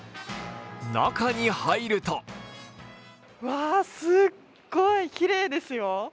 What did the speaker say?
中に入るとわあ、すっごいきれいですよ。